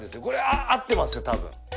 これ合ってますたぶん。